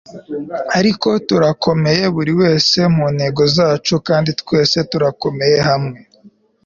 ariko turakomeye, buri wese mu ntego zacu, kandi twese turakomeye hamwe